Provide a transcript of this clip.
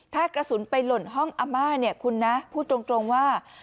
ถ้ากระสุนไปหล่นห้องอาม่าเนี่ยคุณนะพูดตรงว่า